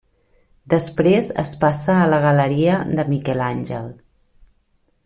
Després es passa a la galeria de Miquel Àngel.